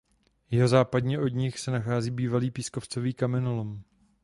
Jihozápadně od nich se nachází bývalý pískovcový kamenolom.